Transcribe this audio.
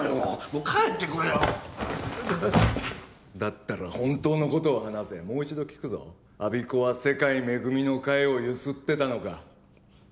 もう帰ってくれよだったら本当のことを話せもう一度聞くぞ我孫子は世界恵みの会をゆすってたのか？